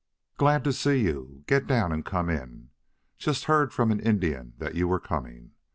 "Glad to see you. Get down and come in. Just heard from an Indian that you were coming.